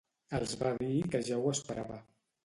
Els va dir que ja ho esperava.